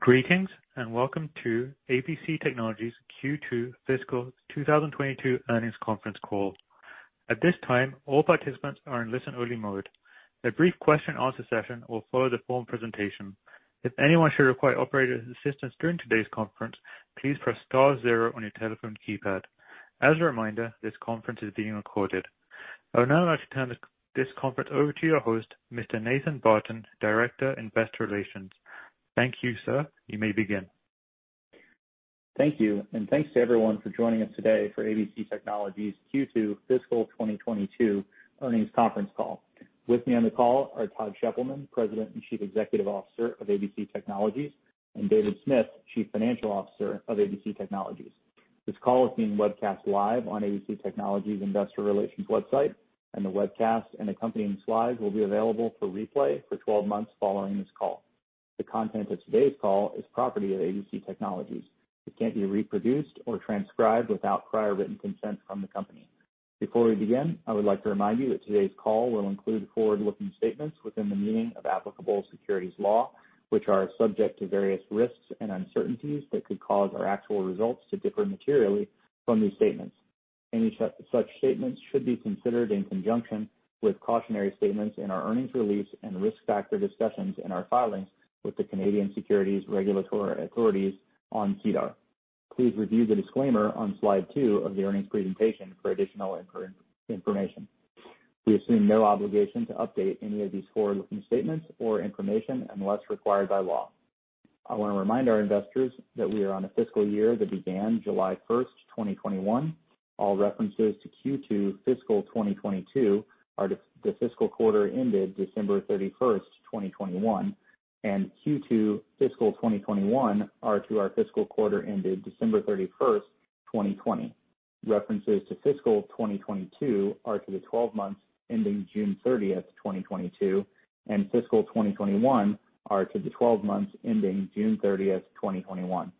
Greetings, and welcome to ABC Technologies Q2 fiscal 2022 earnings conference call. At this time, all participants are in listen only mode. A brief question answer session will follow the formal presentation. If anyone should require operator assistance during today's conference, please press star zero on your telephone keypad. As a reminder, this conference is being recorded. I would now like to turn this conference over to your host, Mr. Nathan Barton, Director, Investor Relations. Thank you, sir. You may begin. Thank you, and thanks to everyone for joining us today for ABC Technologies Q2 fiscal 2022 earnings conference call. With me on the call are Todd Sheppelman, President and Chief Executive Officer of ABC Technologies, and David Smith, Chief Financial Officer of ABC Technologies. This call is being webcast live on ABC Technologies investor relations website, and the webcast and accompanying slides will be available for replay for 12 months following this call. The content of today's call is property of ABC Technologies. It can't be reproduced or transcribed without prior written consent from the company. Before we begin, I would like to remind you that today's call will include forward-looking statements within the meaning of applicable securities law, which are subject to various risks and uncertainties that could cause our actual results to differ materially from these statements. Any such statements should be considered in conjunction with cautionary statements in our earnings release and risk factor discussions in our filings with the Canadian Securities Regulatory Authorities on SEDAR. Please review the disclaimer on slide two of the earnings presentation for additional information. We assume no obligation to update any of these forward-looking statements or information unless required by law. I wanna remind our investors that we are on a fiscal year that began July 1st, 2021. All references to Q2 fiscal 2022 are the fiscal quarter ended December 31st, 2021, and Q2 fiscal 2021 are to our fiscal quarter ended December 31st, 2020. References to fiscal 2022 are to the twelve months ending June 30, 2022, and fiscal 2021 are to the twelve months ending June 30th, 2021.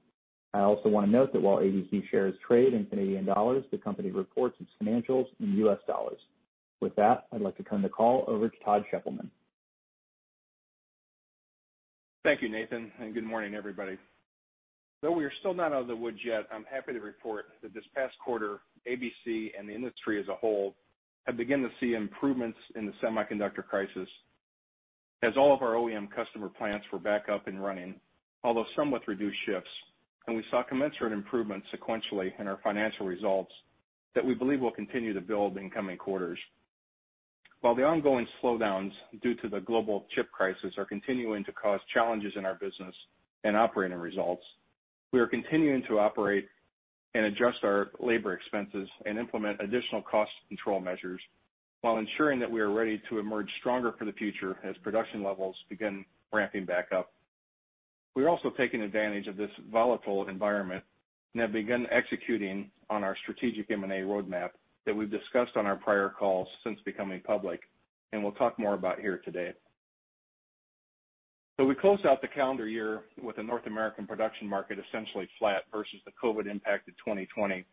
I also wanna note that while ABC shares trade in Canadian dollars, the company reports its financials in U.S. dollars. With that, I'd like to turn the call over to Todd Sheppelman. Thank you, Nathan, and good morning, everybody. Though we are still not out of the woods yet, I'm happy to report that this past quarter ABC and the industry as a whole have begun to see improvements in the semiconductor crisis as all of our OEM customer plants were back up and running, although somewhat reduced shifts. We saw commensurate improvements sequentially in our financial results that we believe will continue to build in coming quarters. While the ongoing slowdowns due to the global chip crisis are continuing to cause challenges in our business and operating results, we are continuing to operate and adjust our labor expenses and implement additional cost control measures while ensuring that we are ready to emerge stronger for the future as production levels begin ramping back up. We're also taking advantage of this volatile environment and have begun executing on our strategic M&A roadmap that we've discussed on our prior calls since becoming public, and we'll talk more about here today. We closed out the calendar year with a North American production market essentially flat versus the COVID impacted 2020.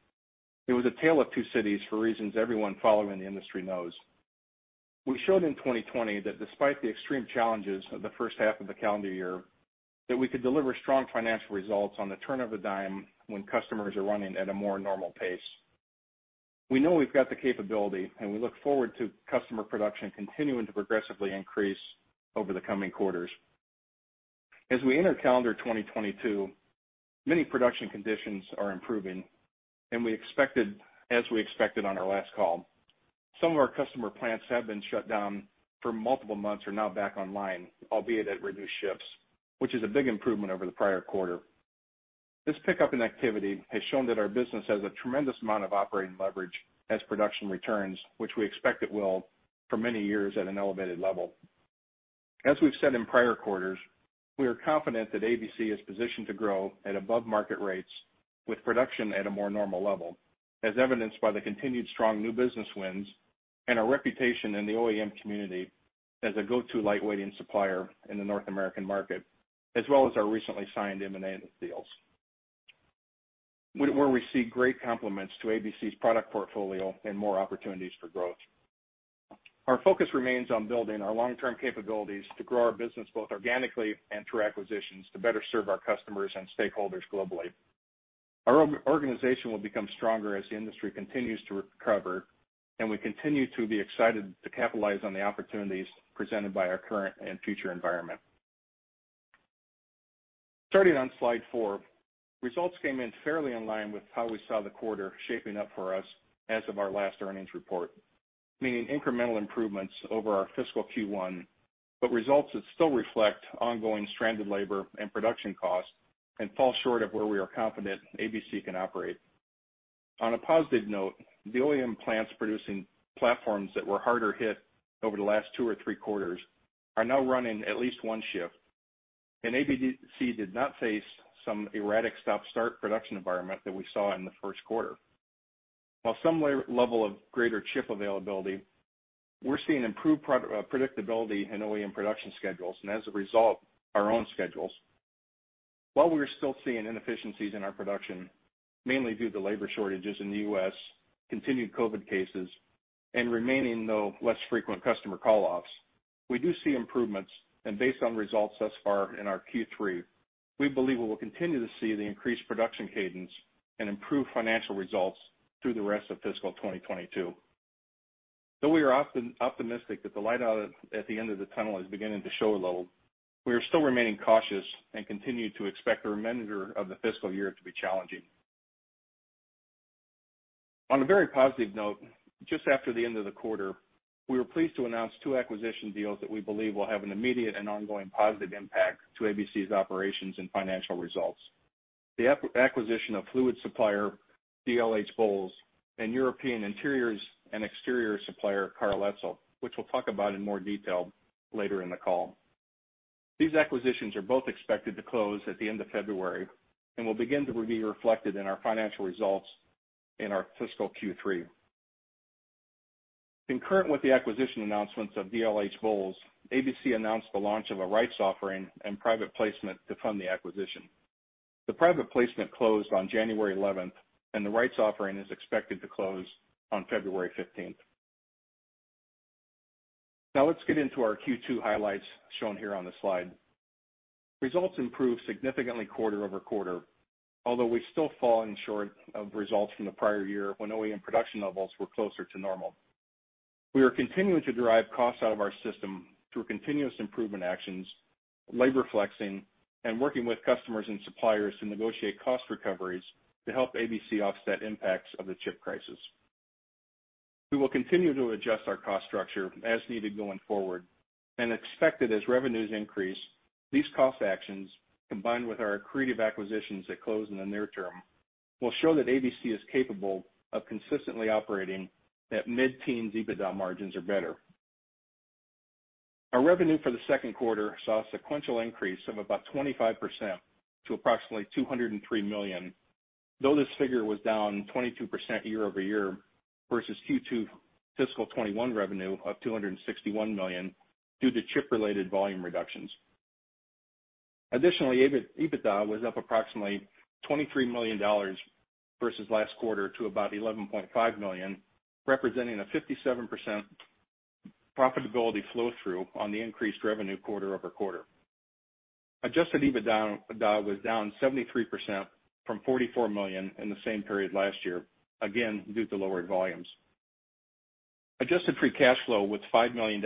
It was a tale of two cities for reasons everyone following the industry knows. We showed in 2020 that despite the extreme challenges of the first half of the calendar year, that we could deliver strong financial results on the turn of a dime when customers are running at a more normal pace. We know we've got the capability, and we look forward to customer production continuing to progressively increase over the coming quarters. As we enter calendar 2022, many production conditions are improving, as we expected on our last call. Some of our customer plants have been shut down for multiple months, are now back online, albeit at reduced shifts, which is a big improvement over the prior quarter. This pickup in activity has shown that our business has a tremendous amount of operating leverage as production returns, which we expect it will for many years at an elevated level. As we've said in prior quarters, we are confident that ABC is positioned to grow at above market rates with production at a more normal level, as evidenced by the continued strong new business wins and our reputation in the OEM community as a go-to lightweighting supplier in the North American market, as well as our recently signed M&A deals. Where we see great complements to ABC's product portfolio and more opportunities for growth. Our focus remains on building our long-term capabilities to grow our business both organically and through acquisitions to better serve our customers and stakeholders globally. Our organization will become stronger as the industry continues to recover, and we continue to be excited to capitalize on the opportunities presented by our current and future environment. Starting on slide four, results came in fairly in line with how we saw the quarter shaping up for us as of our last earnings report, meaning incremental improvements over our fiscal Q1, but results that still reflect ongoing stranded labor and production costs and fall short of where we are confident ABC can operate. On a positive note, the OEM plants producing platforms that were harder hit over the last two or three quarters are now running at least one shift, and ABC did not face some erratic stop-start production environment that we saw in the first quarter. While some level of greater chip availability, we're seeing improved predictability in OEM production schedules and as a result, our own schedules. While we're still seeing inefficiencies in our production, mainly due to labor shortages in the U.S., continued COVID cases, and remaining, though less frequent, customer call-offs, we do see improvements. Based on results thus far in our Q3, we believe we will continue to see the increased production cadence and improved financial results through the rest of fiscal 2022. Though we are often optimistic that the light at the end of the tunnel is beginning to show a little, we are still remaining cautious and continue to expect the remainder of the fiscal year to be challenging. On a very positive note, just after the end of the quarter, we were pleased to announce two acquisition deals that we believe will have an immediate and ongoing positive impact to ABC's operations and financial results. The acquisition of fluid supplier dlhBOWLES and European interiors and exterior supplier Karl Etzel, which we'll talk about in more detail later in the call. These acquisitions are both expected to close at the end of February and will begin to be reflected in our financial results in our fiscal Q3. Concurrent with the acquisition announcements of dlhBOWLES, ABC announced the launch of a rights offering and private placement to fund the acquisition. The private placement closed on January eleventh, and the rights offering is expected to close on February fifteenth. Now let's get into our Q2 highlights shown here on the slide. Results improved significantly quarter-over-quarter, although we've still fallen short of results from the prior year when OEM production levels were closer to normal. We are continuing to derive costs out of our system through continuous improvement actions, labor flexing, and working with customers and suppliers to negotiate cost recoveries to help ABC offset impacts of the chip crisis. We will continue to adjust our cost structure as needed going forward and expect that as revenues increase, these cost actions, combined with our accretive acquisitions that close in the near term, will show that ABC is capable of consistently operating at mid-teens EBITDA margins or better. Our revenue for the second quarter saw a sequential increase of about 25% to approximately $203 million, though this figure was down 22% year-over-year versus Q2 fiscal 2021 revenue of $261 million due to chip-related volume reductions. Additionally, EBITDA was up approximately $23 million versus last quarter to about $11.5 million, representing a 57% profitability flow through on the increased revenue quarter-over-quarter. Adjusted EBITDA was down 73% to $44 million in the same period last year, again, due to lower volumes. Adjusted free cash flow was $5 million,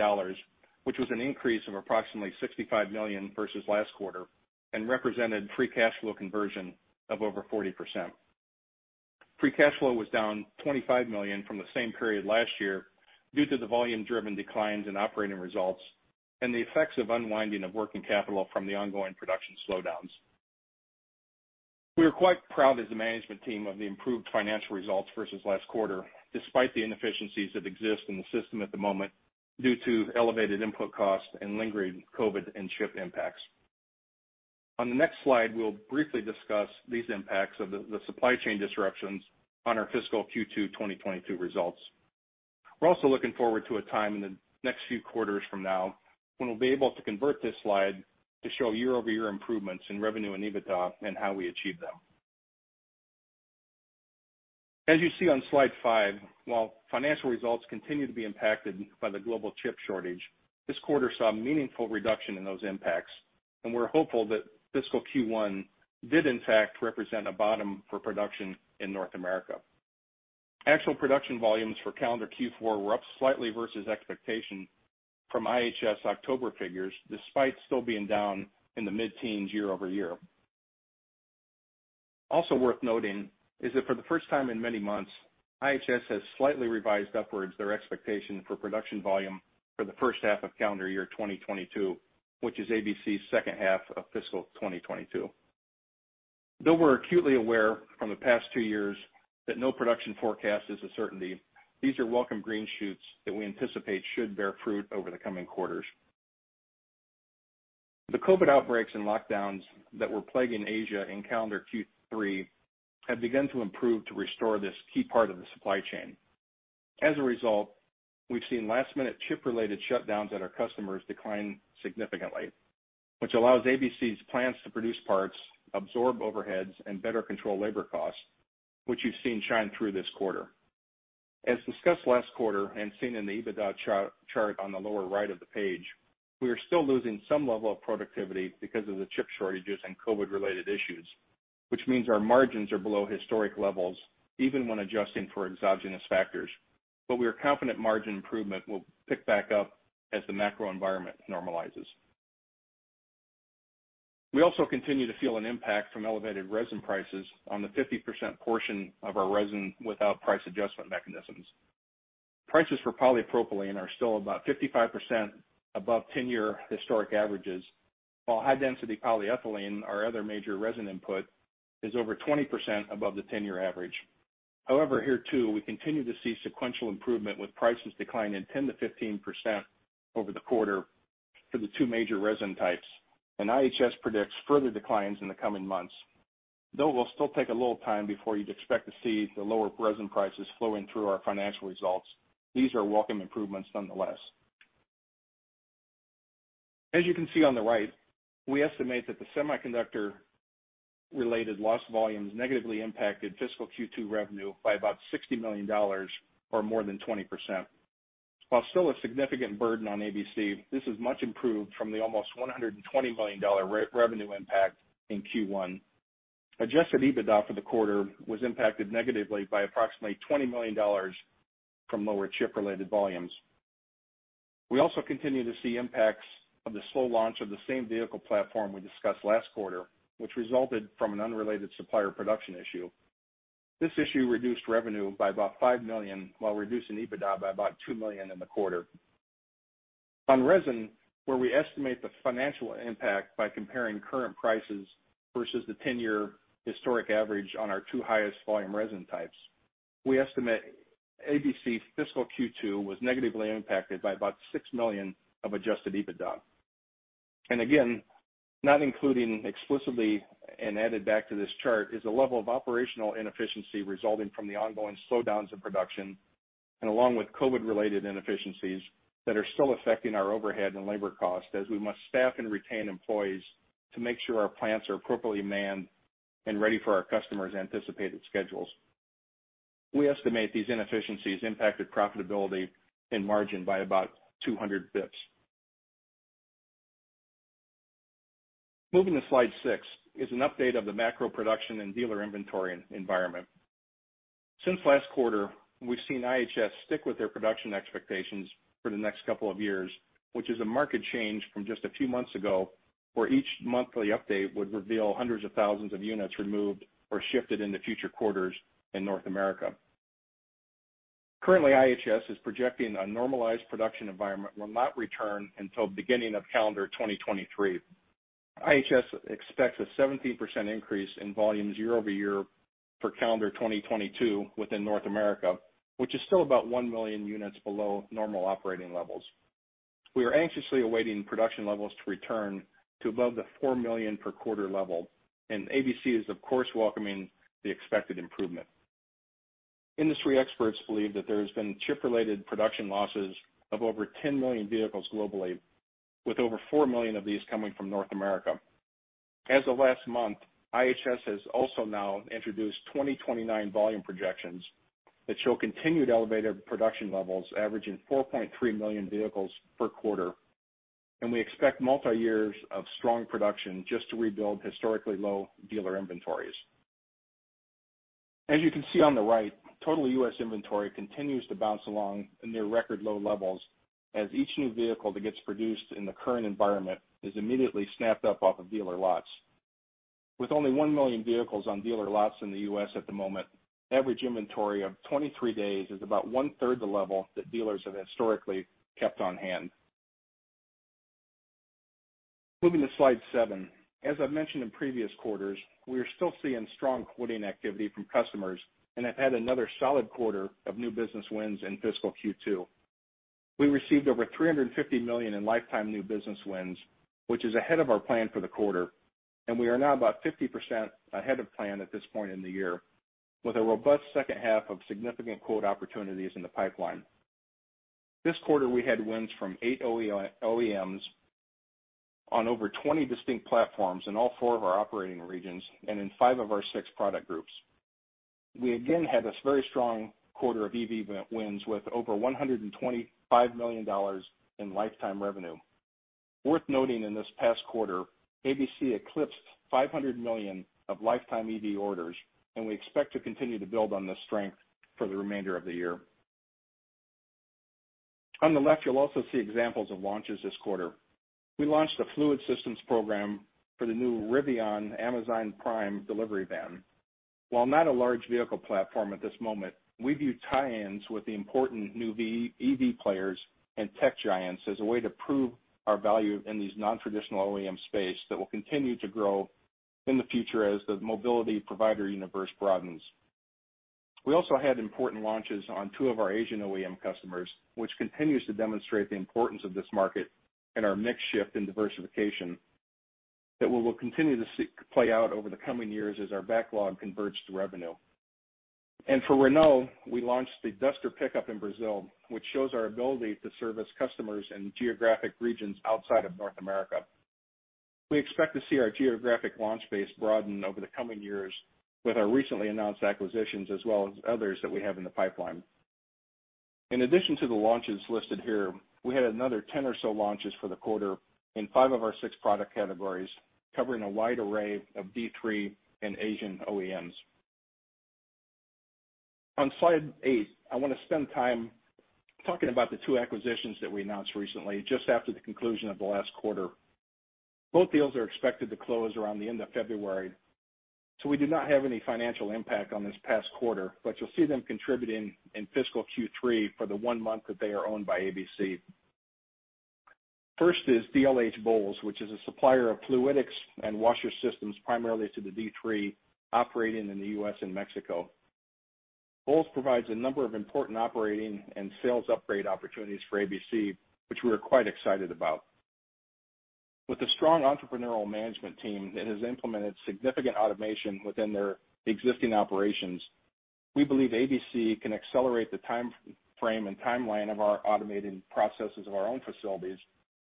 which was an increase of approximately $65 million versus last quarter and represented free cash flow conversion of over 40%. Free cash flow was down $25 million from the same period last year due to the volume-driven declines in operating results and the effects of unwinding of working capital from the ongoing production slowdowns. We are quite proud as a management team of the improved financial results versus last quarter, despite the inefficiencies that exist in the system at the moment due to elevated input costs and lingering COVID and chip impacts. On the next slide, we'll briefly discuss these impacts of the supply chain disruptions on our fiscal Q2 2022 results. We're also looking forward to a time in the next few quarters from now when we'll be able to convert this slide to show year-over-year improvements in revenue and EBITDA and how we achieve them. As you see on slide five, while financial results continue to be impacted by the global chip shortage, this quarter saw a meaningful reduction in those impacts, and we're hopeful that fiscal Q1 did in fact represent a bottom for production in North America. Actual production volumes for calendar Q4 were up slightly versus expectation from IHS October figures, despite still being down in the mid-teens year over year. Also worth noting is that for the first time in many months, IHS has slightly revised upwards their expectation for production volume for the first half of calendar year 2022, which is ABC's second half of fiscal 2022. Though we're acutely aware from the past two years that no production forecast is a certainty, these are welcome green shoots that we anticipate should bear fruit over the coming quarters. The COVID outbreaks and lockdowns that were plaguing Asia in calendar Q3 have begun to improve to restore this key part of the supply chain. As a result, we've seen last-minute chip-related shutdowns at our customers decline significantly, which allows ABC's plants to produce parts, absorb overheads, and better control labor costs, which you've seen shine through this quarter. As discussed last quarter and seen in the EBITDA chart on the lower right of the page, we are still losing some level of productivity because of the chip shortages and COVID-related issues, which means our margins are below historic levels even when adjusting for exogenous factors. We are confident margin improvement will pick back up as the macro environment normalizes. We also continue to feel an impact from elevated resin prices on the 50% portion of our resin without price adjustment mechanisms. Prices for polypropylene are still about 55% above 10-year historic averages, while high-density polyethylene, our other major resin input, is over 20% above the 10-year average. However, here too, we continue to see sequential improvement, with prices declining 10%-15% over the quarter for the two major resin types, and IHS predicts further declines in the coming months. Though it will still take a little time before you'd expect to see the lower resin prices flowing through our financial results, these are welcome improvements nonetheless. As you can see on the right, we estimate that the semiconductor-related loss volumes negatively impacted fiscal Q2 revenue by about $60 million or more than 20%. While still a significant burden on ABC, this is much improved from the almost $120 million revenue impact in Q1. Adjusted EBITDA for the quarter was impacted negatively by approximately $20 million from lower chip-related volumes. We also continue to see impacts of the slow launch of the same vehicle platform we discussed last quarter, which resulted from an unrelated supplier production issue. This issue reduced revenue by about $5 million while reducing EBITDA by about $2 million in the quarter. On resin, where we estimate the financial impact by comparing current prices versus the 10-year historic average on our two highest volume resin types, we estimate ABC's fiscal Q2 was negatively impacted by about $6 million of adjusted EBITDA. Again, not including explicitly and added back to this chart is a level of operational inefficiency resulting from the ongoing slowdowns in production and along with COVID-related inefficiencies that are still affecting our overhead and labor costs as we must staff and retain employees to make sure our plants are appropriately manned and ready for our customers' anticipated schedules. We estimate these inefficiencies impacted profitability and margin by about 200 basis point. Moving to slide six is an update of the macro production and dealer inventory environment. Since last quarter, we've seen IHS stick with their production expectations for the next couple of years, which is a market change from just a few months ago, where each monthly update would reveal hundreds of thousands of units removed or shifted into future quarters in North America. Currently, IHS is projecting a normalized production environment will not return until beginning of calendar 2023. IHS expects a 17% increase in volumes year-over-year for calendar 2022 within North America, which is still about 1 million units below normal operating levels. We are anxiously awaiting production levels to return to above the 4 million per quarter level, and ABC is, of course, welcoming the expected improvement. Industry experts believe that there's been chip-related production losses of over 10 million vehicles globally, with over 4 million of these coming from North America. As of last month, IHS has also now introduced 2029 volume projections that show continued elevated production levels averaging 4.3 million vehicles per quarter. We expect multi-years of strong production just to rebuild historically low dealer inventories. As you can see on the right, total U.S. inventory continues to bounce along near record low levels as each new vehicle that gets produced in the current environment is immediately snapped up off of dealer lots. With only 1 million vehicles on dealer lots in the U.S. at the moment, average inventory of 23 days is about 1/3 the level that dealers have historically kept on hand. Moving to slide seven. As I've mentioned in previous quarters, we are still seeing strong quoting activity from customers and have had another solid quarter of new business wins in fiscal Q2. We received over $350 million in lifetime new business wins, which is ahead of our plan for the quarter, and we are now about 50% ahead of plan at this point in the year with a robust second half of significant quote opportunities in the pipeline. This quarter we had wins from eight OEMs on over 20 distinct platforms in all four of our operating regions and in five of our six product groups. We again had this very strong quarter of EV wins with over $125 million in lifetime revenue. Worth noting in this past quarter, ABC eclipsed $500 million of lifetime EV orders, and we expect to continue to build on this strength for the remainder of the year. On the left, you'll also see examples of launches this quarter. We launched a fluid systems program for the new Rivian Amazon Prime delivery van. While not a large vehicle platform at this moment, we view tie-ins with the important new EV players and tech giants as a way to prove our value in these non-traditional OEM space that will continue to grow in the future as the mobility provider universe broadens. We also had important launches on two of our Asian OEM customers, which continues to demonstrate the importance of this market and our mix shift in diversification that we will continue to see play out over the coming years as our backlog converts to revenue. For Renault, we launched the Duster pickup in Brazil, which shows our ability to service customers in geographic regions outside of North America. We expect to see our geographic launch base broaden over the coming years with our recently announced acquisitions, as well as others that we have in the pipeline. In addition to the launches listed here, we had another 10 or so launches for the quarter in five of our six product categories, covering a wide array of D3 and Asian OEMs. On slide eight, I wanna spend time talking about the two acquisitions that we announced recently just after the conclusion of the last quarter. Both deals are expected to close around the end of February, so we do not have any financial impact on this past quarter, but you'll see them contributing in fiscal Q3 for the one month that they are owned by ABC. First is dlhBOWLES, which is a supplier of fluidics and washer systems primarily to the D3 operating in the U.S. and Mexico. dlhBOWLES provides a number of important operating and sales upgrade opportunities for ABC, which we are quite excited about. With a strong entrepreneurial management team that has implemented significant automation within their existing operations, we believe ABC can accelerate the timeframe and timeline of our automated processes of our own facilities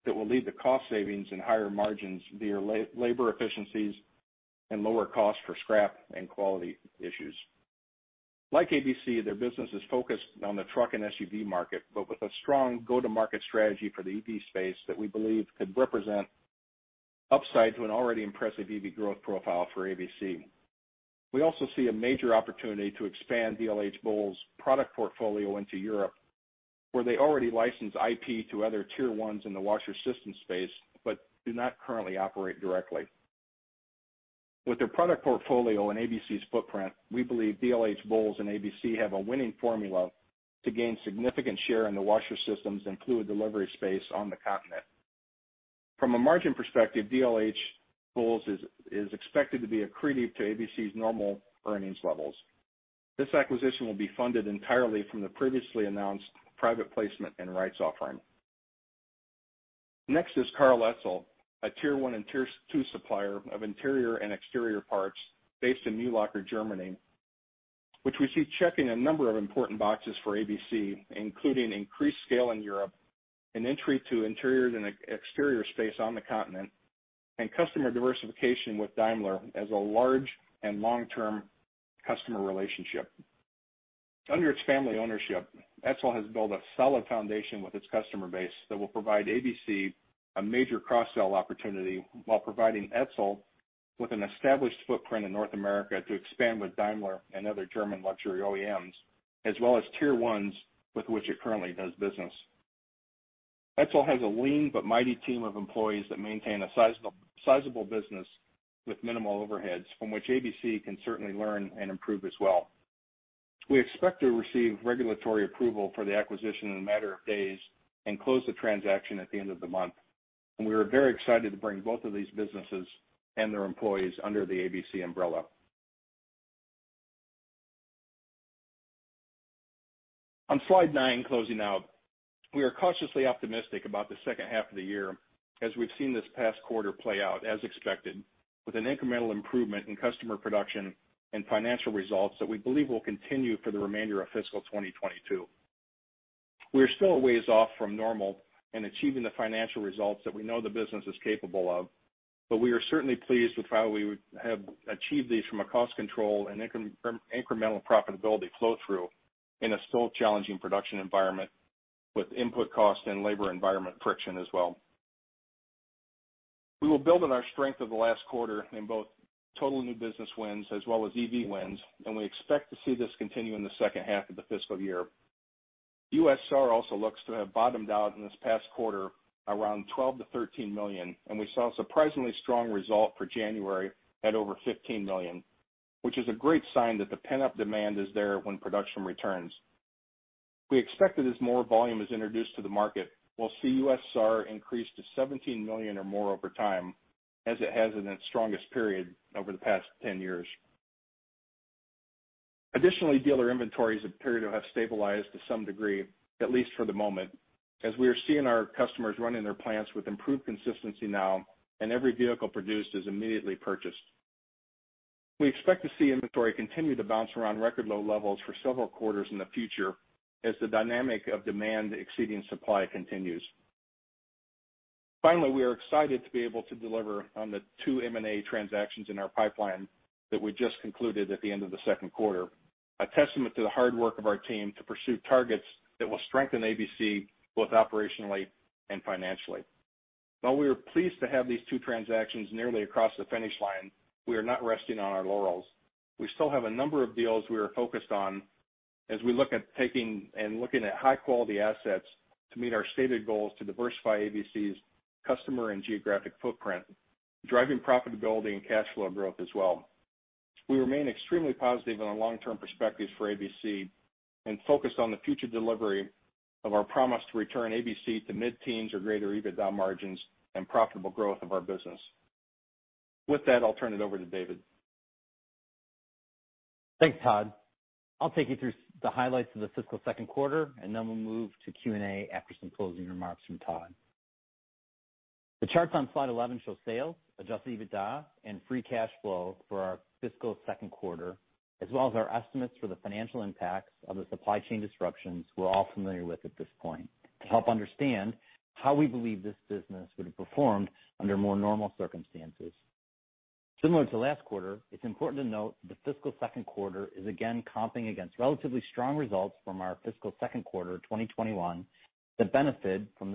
that will lead to cost savings and higher margins via labor efficiencies and lower costs for scrap and quality issues. Like ABC, their business is focused on the truck and SUV market, but with a strong go-to-market strategy for the EV space that we believe could represent upside to an already impressive EV growth profile for ABC. We also see a major opportunity to expand dlhBOWLES' product portfolio into Europe, where they already license IP to other tier ones in the washer system space, but do not currently operate directly. With their product portfolio and ABC's footprint, we believe dlhBOWLES and ABC have a winning formula to gain significant share in the washer systems and fluid delivery space on the continent. From a margin perspective, dlhBOWLES is expected to be accretive to ABC's normal earnings levels. This acquisition will be funded entirely from the previously announced private placement and rights offering. Next is Karl Etzel, a tier one and tier-two supplier of interior and exterior parts based in Mühlacker, Germany, which we see checking a number of important boxes for ABC, including increased scale in Europe and entry to interiors and exterior space on the continent, and customer diversification with Daimler as a large and long-term customer relationship. Under its family ownership, Karl Etzel has built a solid foundation with its customer base that will provide ABC a major cross-sell opportunity while providing Karl Etzel with an established footprint in North America to expand with Daimler and other German luxury OEMs, as well as tier ones with which it currently does business. Karl Etzel has a lean but mighty team of employees that maintain a sizable business with minimal overheads from which ABC can certainly learn and improve as well. We expect to receive regulatory approval for the acquisition in a matter of days and close the transaction at the end of the month. We are very excited to bring both of these businesses and their employees under the ABC umbrella. On slide nine, closing out. We are cautiously optimistic about the second half of the year as we've seen this past quarter play out as expected, with an incremental improvement in customer production and financial results that we believe will continue for the remainder of fiscal 2022. We're still a ways off from normal and achieving the financial results that we know the business is capable of, but we are certainly pleased with how we have achieved these from a cost control and incremental profitability flow through in a still challenging production environment with input cost and labor environment friction as well. We will build on our strength of the last quarter in both total new business wins as well as EV wins, and we expect to see this continue in the second half of the fiscal year. U.S. SAR also looks to have bottomed out in this past quarter around $12million - $13 million, and we saw surprisingly strong result for January at over 15 million, which is a great sign that the pent-up demand is there when production returns. We expect that as more volume is introduced to the market, we'll see U.S. SAR increase to 17 million or more over time, as it has in its strongest period over the past 10 years. Additionally, dealer inventories appear to have stabilized to some degree, at least for the moment, as we are seeing our customers running their plants with improved consistency now and every vehicle produced is immediately purchased. We expect to see inventory continue to bounce around record low levels for several quarters in the future as the dynamic of demand exceeding supply continues. Finally, we are excited to be able to deliver on the two M&A transactions in our pipeline that we just concluded at the end of the second quarter, a testament to the hard work of our team to pursue targets that will strengthen ABC both operationally and financially. While we are pleased to have these two transactions nearly across the finish line, we are not resting on our laurels. We still have a number of deals we are focused on as we look at taking and looking at high-quality assets to meet our stated goals to diversify ABC's customer and geographic footprint, driving profitability and cash flow growth as well. We remain extremely positive on our long-term perspectives for ABC and focused on the future delivery of our promise to return ABC to mid-teens or greater EBITDA margins and profitable growth of our business. With that, I'll turn it over to David. Thanks, Todd. I'll take you through the highlights of the fiscal second quarter, and then we'll move to Q&A after some closing remarks from Todd. The charts on slide 11 show sales, adjusted EBITDA, and free cash flow for our fiscal second quarter, as well as our estimates for the financial impacts of the supply chain disruptions we're all familiar with at this point to help understand how we believe this business would have performed under more normal circumstances. Similar to last quarter, it's important to note the fiscal second quarter is again comping against relatively strong results from our fiscal second quarter 2021 that benefit from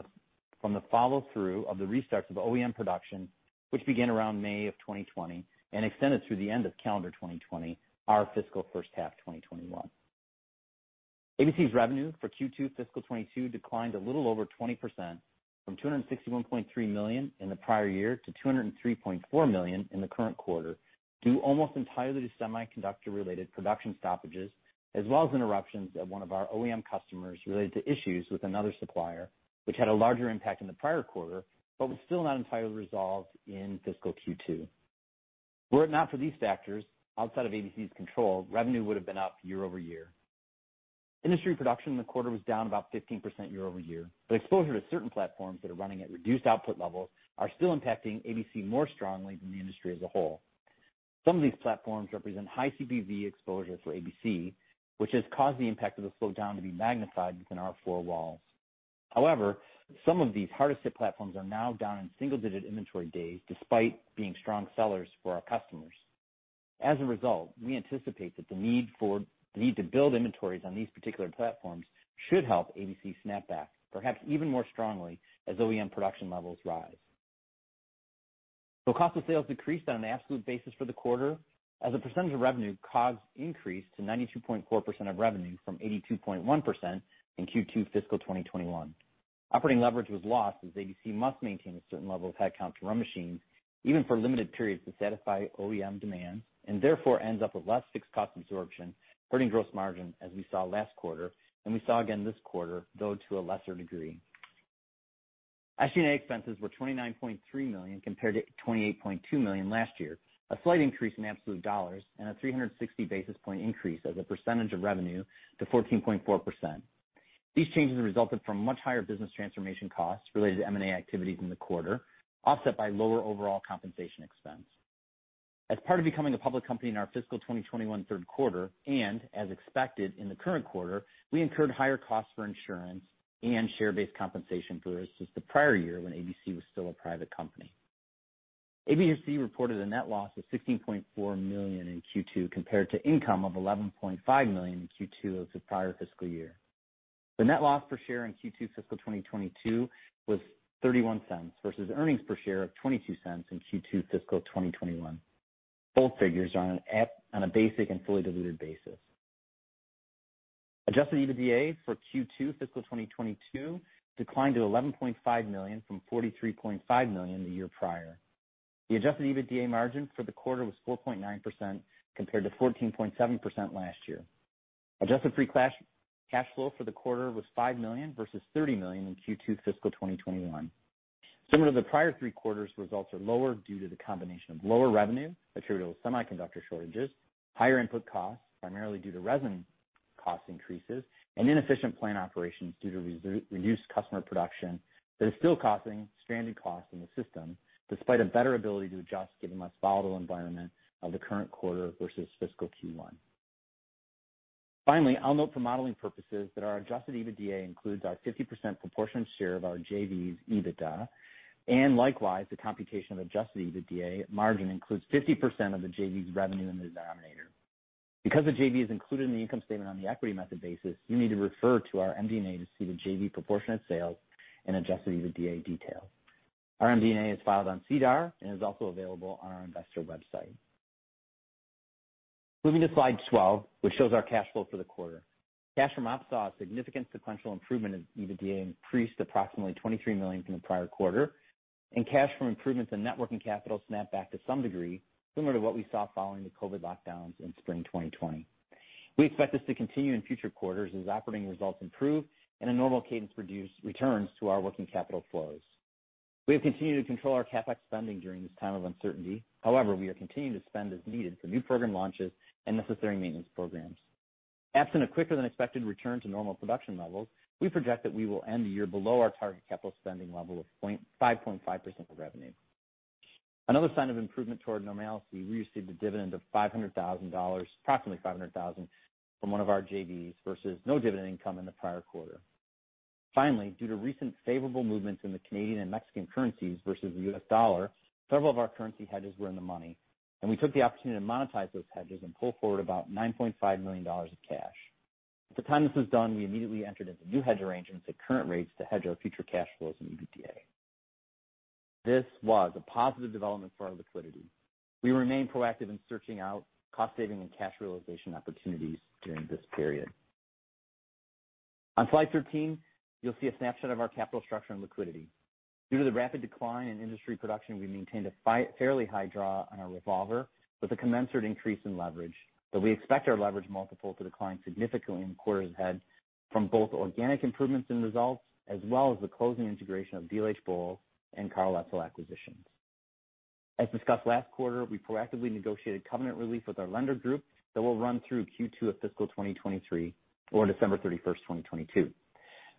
the follow-through of the restart of OEM production, which began around May of 2020 and extended through the end of calendar 2020, our fiscal first half, 2021. ABC's revenue for Q2 fiscal 2022 declined a little over 20% from $261.3 million in the prior year to $203.4 million in the current quarter, due almost entirely to semiconductor-related production stoppages as well as interruptions at one of our OEM customers related to issues with another supplier, which had a larger impact in the prior quarter, but was still not entirely resolved in fiscal Q2. Were it not for these factors outside of ABC's control, revenue would've been up year-over-year. Industry production in the quarter was down about 15% year-over-year, but exposure to certain platforms that are running at reduced output levels are still impacting ABC more strongly than the industry as a whole. Some of these platforms represent high CPV exposure for ABC, which has caused the impact of the slowdown to be magnified within our four walls. However, some of these hardest hit platforms are now down in single-digit inventory days, despite being strong sellers for our customers. As a result, we anticipate that the need to build inventories on these particular platforms should help ABC snap back, perhaps even more strongly as OEM production levels rise. Cost of sales decreased on an absolute basis for the quarter, as a percentage of revenue, COGS increased to 92.4% of revenue from 82.1% in Q2 fiscal 2021. Operating leverage was lost as ABC must maintain a certain level of headcount to run machines, even for limited periods, to satisfy OEM demand, and therefore ends up with less fixed cost absorption hurting gross margin as we saw last quarter and we saw again this quarter, though to a lesser degree. SG&A expenses were $29.3 million compared to $28.2 million last year, a slight increase in absolute dollars and a 360 basis point increase as a percentage of revenue to 14.4%. These changes resulted from much higher business transformation costs related to M&A activities in the quarter, offset by lower overall compensation expense. As part of becoming a public company in our fiscal 2021 third quarter, and as expected in the current quarter, we incurred higher costs for insurance and share-based compensation versus the prior year when ABC was still a private company. ABC reported a net loss of $16.4 million in Q2 compared to income of $11.5 million in Q2 of the prior fiscal year. The net loss per share in Q2 fiscal 2022 was $0.31 versus earnings per share of $0.22 in Q2 fiscal 2021. Both figures are on a basic and fully diluted basis. Adjusted EBITDA for Q2 fiscal 2022 declined to $11.5 million - $43.5 million the year prior. The adjusted EBITDA margin for the quarter was 4.9% compared to 14.7% last year. Adjusted free cash flow for the quarter was $5 million versus $30 million in Q2 fiscal 2021. Similar to the prior 3 quarters, results are lower due to the combination of lower revenue attributable to semiconductor shortages, higher input costs primarily due to resin cost increases, and inefficient plant operations due to reduced customer production that is still causing stranded costs in the system despite a better ability to adjust given less volatile environment of the current quarter versus fiscal Q1. Finally, I'll note for modeling purposes that our adjusted EBITDA includes our 50% proportionate share of our JV's EBITDA, and likewise the computation of adjusted EBITDA margin includes 50% of the JV's revenue in the denominator. Because the JV is included in the income statement on the equity method basis, you need to refer to our MD&A to see the JV proportionate sales and adjusted EBITDA detail. Our MD&A is filed on SEDAR and is also available on our investor website. Moving to slide 12, which shows our cash flow for the quarter. Cash from ops saw a significant sequential improvement as EBITDA increased approximately $23 million from the prior quarter, and cash from improvements in net working capital snapped back to some degree, similar to what we saw following the COVID lockdowns in spring 2020. We expect this to continue in future quarters as operating results improve and a normal cadence returns to our working capital flows. We have continued to control our CapEx spending during this time of uncertainty. However, we are continuing to spend as needed for new program launches and necessary maintenance programs. Absent a quicker than expected return to normal production levels, we project that we will end the year below our target capital spending level of 5.5% of revenue. Another sign of improvement toward normality, we received a dividend of $500,000, approximately $500,000 from one of our JVs versus no dividend income in the prior quarter. Finally, due to recent favorable movements in the Canadian and Mexican currencies versus the U.S. dollar, several of our currency hedges were in the money, and we took the opportunity to monetize those hedges and pull forward about $9.5 million of cash. At the time this was done, we immediately entered into new hedge arrangements at current rates to hedge our future cash flows and EBITDA. This was a positive development for our liquidity. We remain proactive in searching out cost saving and cash realization opportunities during this period. On slide 13, you'll see a snapshot of our capital structure and liquidity. Due to the rapid decline in industry production, we maintained a fairly high draw on our revolver with a commensurate increase in leverage, but we expect our leverage multiple to decline significantly in the quarters ahead from both organic improvements in results as well as the closing integration of dlhBOWLES and Karl Etzel acquisitions. As discussed last quarter, we proactively negotiated covenant relief with our lender group that will run through Q2 of fiscal 2023 or December 31st, 2022.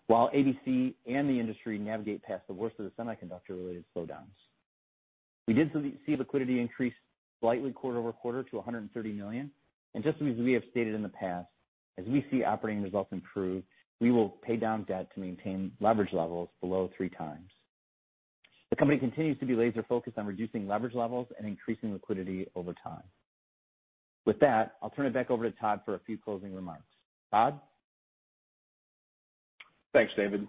While ABC and the industry navigate past the worst of the semiconductor-related slowdowns, we did see liquidity increase slightly quarter-over-quarter to 130 million. Just as we have stated in the past, as we see operating results improve, we will pay down debt to maintain leverage levels below three times. The company continues to be laser focused on reducing leverage levels and increasing liquidity over time. With that, I'll turn it back over to Todd for a few closing remarks. Todd? Thanks, David.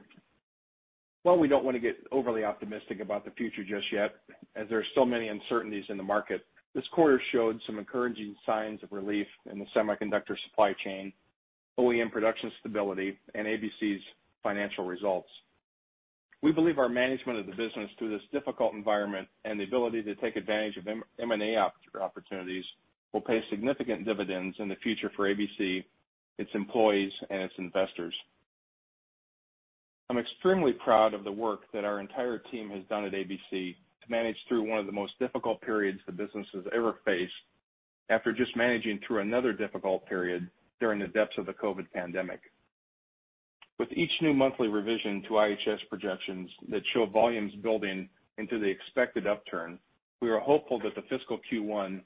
While we don't want to get overly optimistic about the future just yet, as there are so many uncertainties in the market, this quarter showed some encouraging signs of relief in the semiconductor supply chain, OEM production stability, and ABC's financial results. We believe our management of the business through this difficult environment and the ability to take advantage of M&A opportunities will pay significant dividends in the future for ABC, its employees and its investors. I'm extremely proud of the work that our entire team has done at ABC to manage through one of the most difficult periods the business has ever faced, after just managing through another difficult period during the depths of the COVID pandemic. With each new monthly revision to IHS projections that show volumes building into the expected upturn, we are hopeful that the fiscal Q1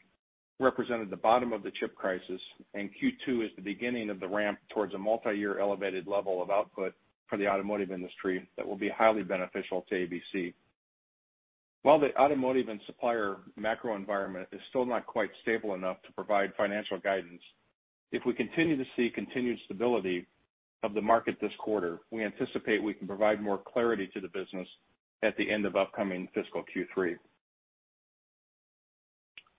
represented the bottom of the chip crisis, and Q2 is the beginning of the ramp towards a multiyear elevated level of output for the automotive industry that will be highly beneficial to ABC. While the automotive and supplier macro environment is still not quite stable enough to provide financial guidance, if we continue to see continued stability of the market this quarter, we anticipate we can provide more clarity to the business at the end of upcoming fiscal Q3.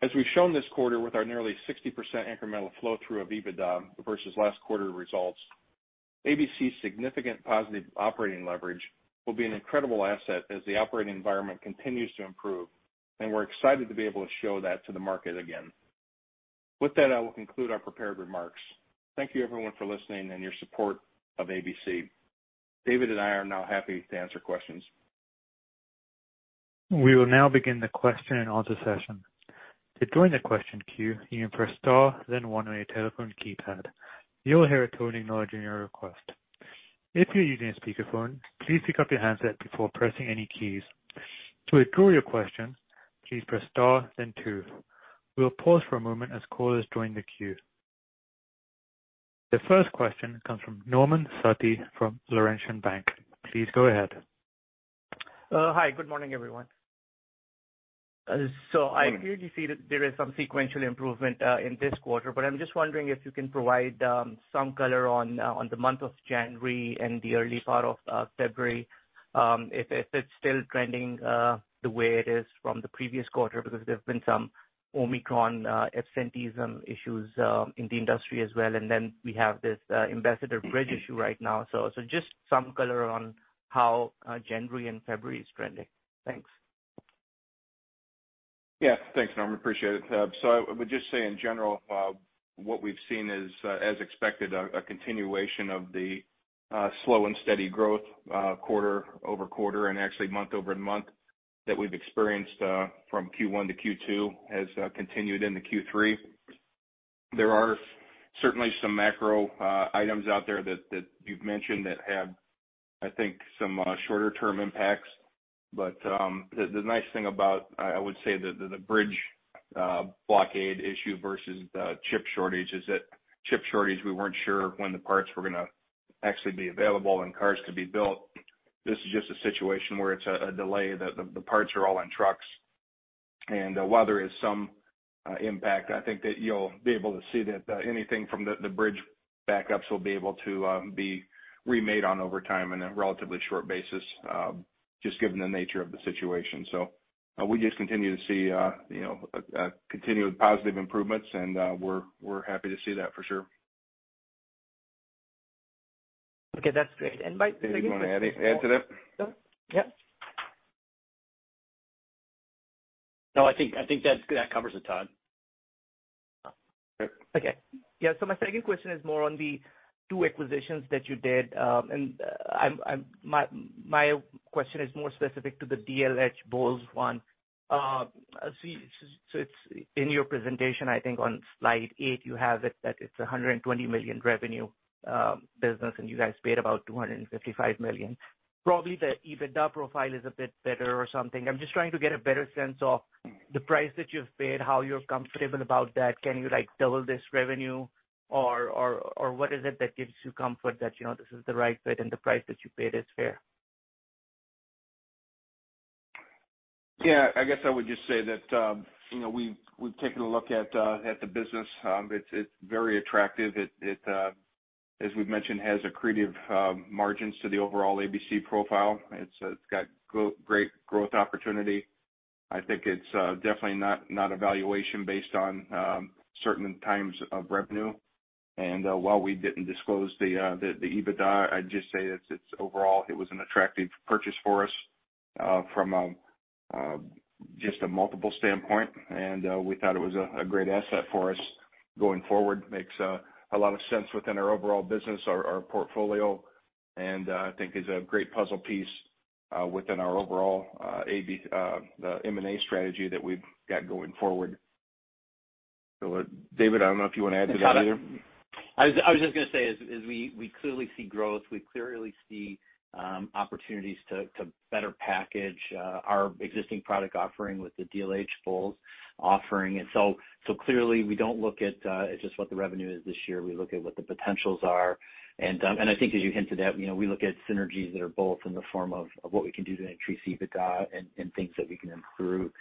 As we've shown this quarter with our nearly 60% incremental flow through of EBITDA versus last quarter results, ABC's significant positive operating leverage will be an incredible asset as the operating environment continues to improve, and we're excited to be able to show that to the market again. With that, I will conclude our prepared remarks. Thank you everyone for listening and your support of ABC. David and I are now happy to answer questions. We will now begin the question and answer session. To join the question queue, you may press star then one on your telephone keypad. You'll hear a tone acknowledging your request. If you're using a speakerphone, please pick up your handset before pressing any keys. To withdraw your question, please press star then two. We'll pause for a moment as callers join the queue. The first question comes from Nauman Satti from Laurentian Bank. Please go ahead. Hi, good morning, everyone. I clearly see that there is some sequential improvement in this quarter, but I'm just wondering if you can provide some color on the month of January and the early part of February if it's still trending the way it is from the previous quarter because there have been some Omicron absenteeism issues in the industry as well. Then we have this Ambassador Bridge issue right now. Just some color on how January and February is trending. Thanks. Yeah. Thanks, Nauman. Appreciate it. I would just say in general, what we've seen is, as expected, a continuation of the slow and steady growth, quarter-over-quarter and actually month-over-month that we've experienced, from Q1 to Q2, has continued into Q3. There are certainly some macro items out there that you've mentioned that have, I think, some shorter term impacts. The nice thing about, I would say the bridge blockade issue versus the chip shortage is that chip shortage we weren't sure when the parts were gonna actually be available and cars could be built. This is just a situation where it's a delay. The parts are all on trucks. While there is some impact, I think that you'll be able to see that anything from the bridge backups will be able to be remade over time in a relatively short basis, just given the nature of the situation. We just continue to see you know continued positive improvements, and we're happy to see that for sure. Okay, that's great. My second- David, you want to add anything, add to that? No. Yeah. No, I think that covers it, Todd. Great. Okay. Yeah. My second question is more on the two acquisitions that you did, and my question is more specific to the dlhBOWLES one. I see, so it's in your presentation, I think on slide eight, you have it that it's a $120 million revenue business, and you guys paid about $255 million. Probably the EBITDA profile is a bit better or something. I'm just trying to get a better sense of the price that you've paid, how you're comfortable about that. Can you double this revenue or what is it that gives you comfort that, you know, this is the right fit and the price that you paid is fair? Yeah. I guess I would just say that, you know, we've taken a look at the business. It's very attractive. It, as we've mentioned, has accretive margins to the overall ABC profile. It's got great growth opportunity. I think it's definitely not a valuation based on certain times of revenue. While we didn't disclose the EBITDA, I'd just say it's overall, it was an attractive purchase for us from just a multiple standpoint, and we thought it was a great asset for us going forward. Makes a lot of sense within our overall business, our portfolio, and I think is a great puzzle piece within our overall the M&A strategy that we've got going forward. David, I don't know if you wanna add to that either. Todd, I was just gonna say we clearly see growth. We clearly see opportunities to better package our existing product offering with the dlhBOWLES offering. So clearly, we don't look at just what the revenue is this year. We look at what the potentials are. I think as you hinted at, you know, we look at synergies that are both in the form of what we can do to increase EBITDA and things that we can improve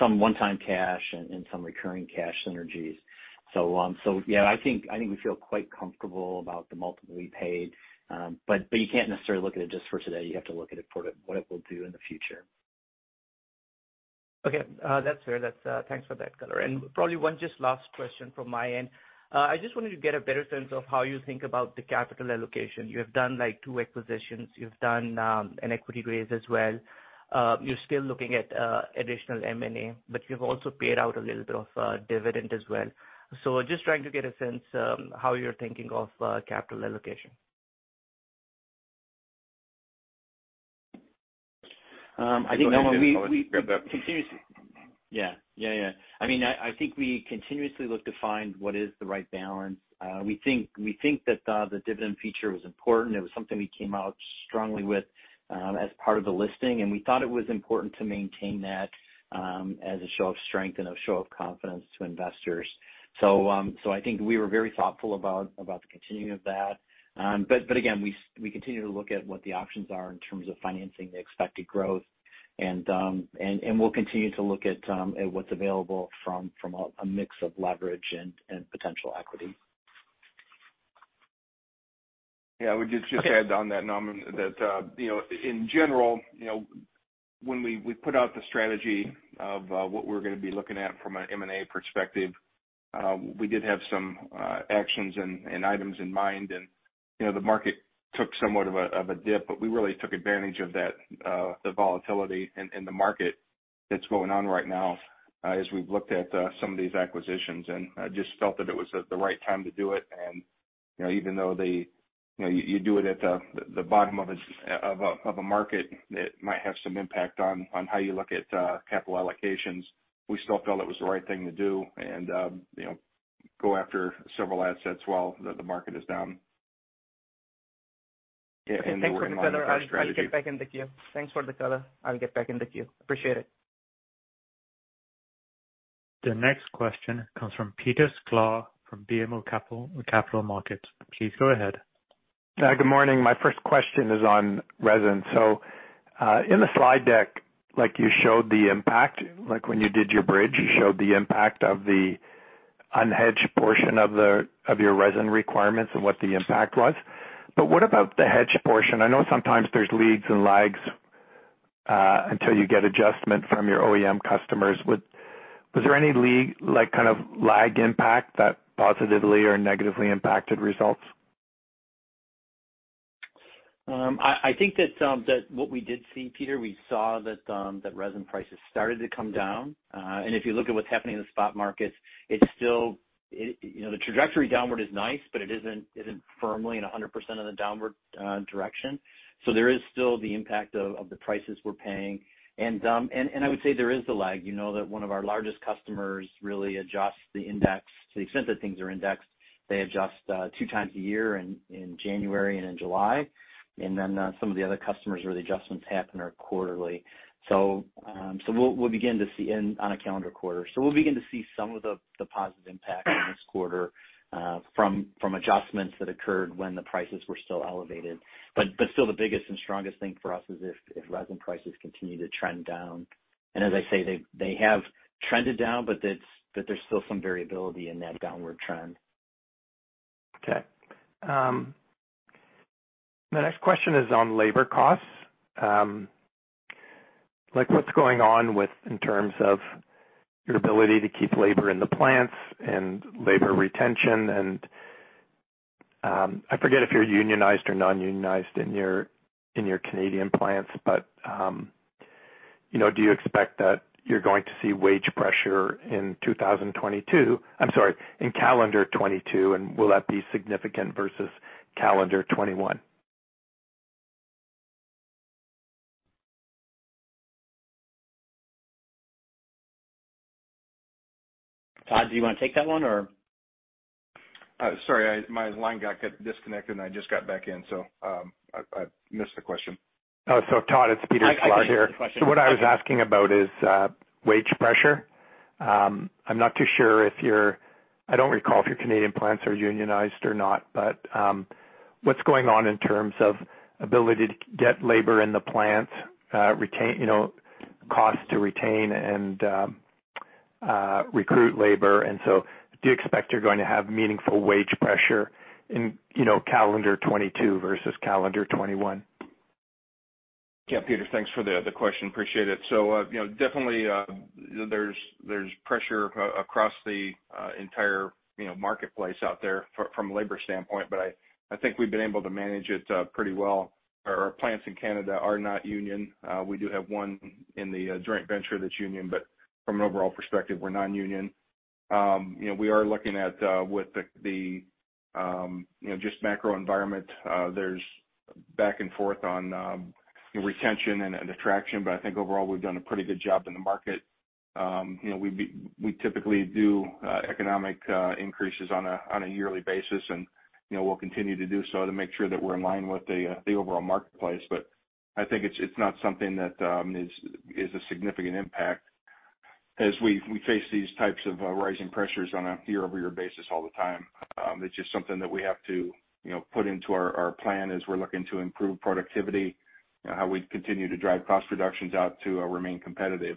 some one-time cash and some recurring cash synergies. Yeah, I think we feel quite comfortable about the multiple we paid. You can't necessarily look at it just for today. You have to look at it for what it will do in the future. Okay. That's fair. Thanks for that color. Probably just one last question from my end. I just wanted to get a better sense of how you think about the capital allocation. You have done, like, two acquisitions. You've done an equity raise as well. You're still looking at additional M&A, but you've also paid out a little bit of dividend as well. Just trying to get a sense how you're thinking of capital allocation. I think, Nauman, we continuously look to find what is the right balance. We think that the dividend feature was important. It was something we came out strongly with, as part of the listing, and we thought it was important to maintain that, as a show of strength and a show of confidence to investors. I think we were very thoughtful about the continuing of that. Again, we continue to look at what the options are in terms of financing the expected growth and we'll continue to look at what's available from a mix of leverage and potential equity. Yeah. I would just add on that, Nauman, that you know, in general, you know, when we put out the strategy of what we're gonna be looking at from an M&A perspective, we did have some actions and items in mind and, you know, the market took somewhat of a dip, but we really took advantage of that, the volatility in the market that's going on right now, as we've looked at some of these acquisitions, and I just felt that it was the right time to do it. You know, even though the... You know, you do it at the bottom of a market that might have some impact on how you look at capital allocations. We still felt it was the right thing to do and, you know, go after several assets while the market is down. We're in the middle of our strategy. Thanks for the color. I'll get back in the queue. Appreciate it. The next question comes from Peter Sklar from BMO Capital Markets. Please go ahead. Yeah, good morning. My first question is on resin. In the slide deck, like, you showed the impact, like when you did your bridge, you showed the impact of the unhedged portion of your resin requirements and what the impact was. What about the hedged portion? I know sometimes there's leads and lags until you get adjustment from your OEM customers. Was there any lead, like, kind of lag impact that positively or negatively impacted results? I think that what we did see, Peter, we saw that resin prices started to come down. If you look at what's happening in the spot markets, it's still you know, the trajectory downward is nice, but it isn't firmly in 100% of the downward direction. There is still the impact of the prices we're paying. I would say there is a lag, you know that one of our largest customers really adjusts the index to the extent that things are indexed. They adjust two times a year in January and in July, and then some of the other customers where the adjustments happen are quarterly. We'll begin to see in on a calendar quarter. We'll begin to see some of the positive impact in this quarter from adjustments that occurred when the prices were still elevated. Still the biggest and strongest thing for us is if resin prices continue to trend down. As I say, they have trended down, but there's still some variability in that downward trend. Okay. The next question is on labor costs. Like, what's going on with, in terms of your ability to keep labor in the plants and labor retention and, I forget if you're unionized or non-unionized in your, in your Canadian plants, but, you know, do you expect that you're going to see wage pressure in 2022? I'm sorry, in calendar 2022, and will that be significant versus calendar 2021? Todd, do you wanna take that one or? Sorry, my line got disconnected and I just got back in, so I missed the question. Oh, Todd, it's Peter Sklar here. I can take the question. What I was asking about is wage pressure. I'm not too sure. I don't recall if your Canadian plants are unionized or not, but what's going on in terms of ability to get labor in the plant, retain, you know, cost to retain and recruit labor. Do you expect you're going to have meaningful wage pressure in, you know, calendar 2022 versus calendar 2021? Yeah. Peter, thanks for the question. Appreciate it. You know, definitely, there's pressure across the entire, you know, marketplace out there from a labor standpoint, but I think we've been able to manage it pretty well. Our plants in Canada are not union. We do have one in the joint venture that's union, but from an overall perspective, we're non-union. You know, we are looking at, with the, you know, just macro environment, there's back and forth on, you know, retention and attraction, but I think overall we've done a pretty good job in the market. You know, we typically do economic increases on a yearly basis, and you know, we'll continue to do so to make sure that we're in line with the overall marketplace. I think it's not something that is a significant impact as we face these types of rising pressures on a year-over-year basis all the time. It's just something that we have to, you know, put into our plan as we're looking to improve productivity, you know, how we continue to drive cost reductions out to remain competitive.